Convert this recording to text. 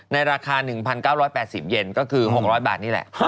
ในราคา๑๙๘๐เย็นก็คือ๖๐๐บาทนี่แหละ